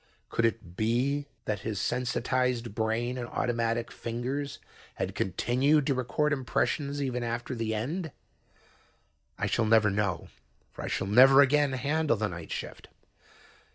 Could it be that his sensitized brain and automatic fingers had continued to record impressions even after the end? I shall never know, for I shall never again handle the night shift.